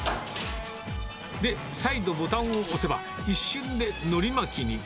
で、再度ボタンを押せば、一瞬でのり巻きに。